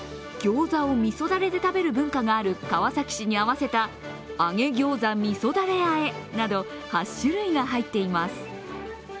ギョーザをみそだれで食べる文化がある川崎市に合わせた揚げギヨウザ味噌だれ和えなど８種類が入っています。